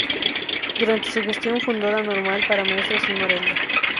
Durante su gestión fundó la Normal para Maestros en Morelia.